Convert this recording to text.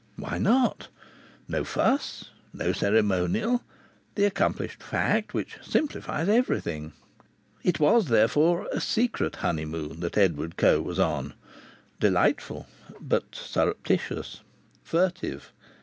... Why not? No fuss! No ceremonial! The accomplished fact, which simplifies everything! It was, therefore, a secret honeymoon that Edward Coe was on; delightful but surreptitious, furtive!